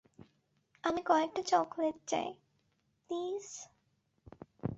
আমি কয়েকটা চকোলেট চাই, প্লিজ।